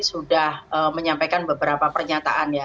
sudah menyampaikan beberapa pernyataan ya